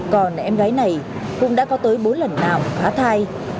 còn em gái này cũng đã có tới bốn lần nào khá thai